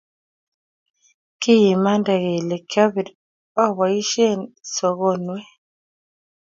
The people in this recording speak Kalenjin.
ki imanda kele kiabir aboisien sokonwe